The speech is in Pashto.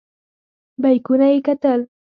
بیکونه یې کتل.